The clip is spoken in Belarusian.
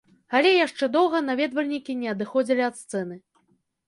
Але яшчэ доўга наведвальнікі не адыходзілі ад сцэны.